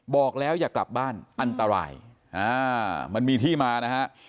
บอกแล้วอย่ากลับบ้านอันตรายอ่ามันมีที่มานะฮะ